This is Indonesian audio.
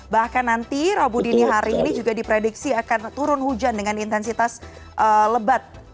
bahkan nanti rabu dini hari ini juga diprediksi akan turun hujan dengan intensitas lebat